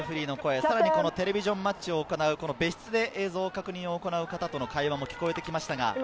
テレビジョン・マッチを行う別室で映像確認を行う方との会話も聞こえてきました。